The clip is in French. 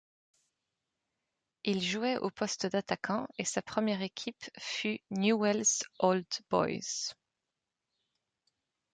Il jouait au poste d'attaquant et sa première équipe fut Newell's Old Boys.